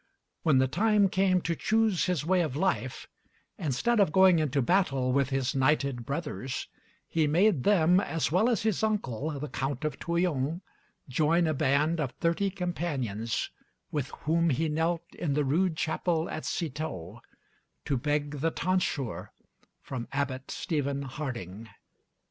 When the time came to choose his way of life, instead of going into battle with his knighted brothers, he made them, as well as his uncle the count of Touillon, join a band of thirty companions, with whom he knelt in the rude chapel at Citeaux to beg the tonsure from Abbot Stephen Harding.